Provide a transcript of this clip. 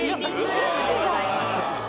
景色が。